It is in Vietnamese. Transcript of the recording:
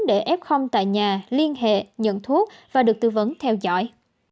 để f tại nhà liên hệ nhận thuốc và được tư vấn theo dõi